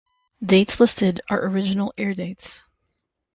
Dates listed are original airdates.